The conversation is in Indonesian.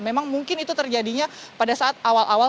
memang mungkin itu terjadinya pada saat awal awal